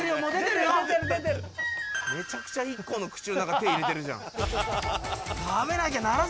めちゃくちゃＩＫＫＯの口の中手入れてるじゃん。